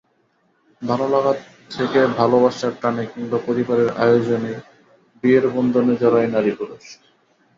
ভালো লাগা থেকে ভালোবাসার টানে কিংবা পরিবারের আয়োজনেই বিয়ের বন্ধনে জড়ায় নারী-পুরুষ।